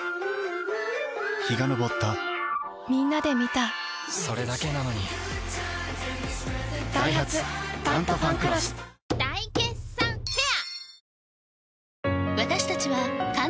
陽が昇ったみんなで観たそれだけなのにダイハツ「タントファンクロス」大決算フェア